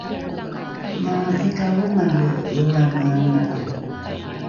maa’ikalromale lrolrame analo